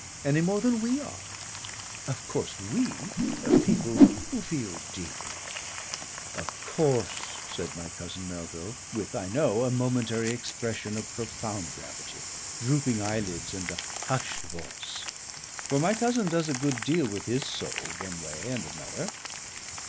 Any more than we are. Of course we people who feel deeply " "Of course," said my cousin Melville, with, I know, a momentary expression of profound gravity, drooping eyelids and a hushed voice. For my cousin does a good deal with his soul, one way and another.